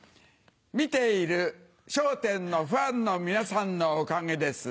見ている『笑点』のファンの皆さんのおかげです。